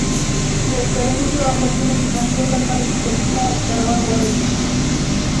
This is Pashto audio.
د کرنیزو آفتونو د کنټرول لپاره د طبیعي موادو کارول غوره دي.